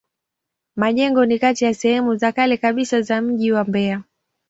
Majengo ni kati ya sehemu za kale kabisa za mji wa Mbeya.